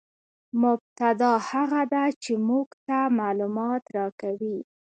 مبتداء هغه ده، چي موږ ته معلومات راکوي.